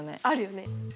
あるよね。